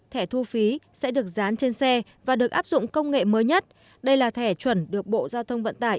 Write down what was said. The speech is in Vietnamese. thẻ thu phí sẽ được dán trên xe và được áp dụng công nghệ mới nhất đây là thẻ chuẩn được bộ giao thông vận tải